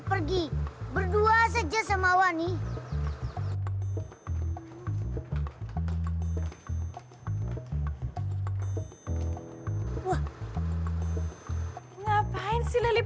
cing ngedukung deh